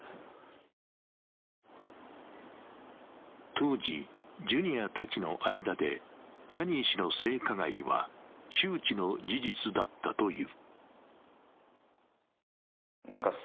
当時、ジュニアたちの間でジャニー氏の性加害は周知の事実だったという。